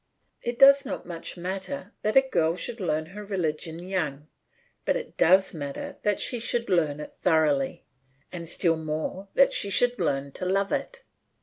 It does not much matter that a girl should learn her religion young, but it does matter that she should learn it thoroughly, and still more that she should learn to love it.